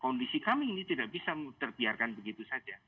kondisi kami ini tidak bisa terbiarkan begitu saja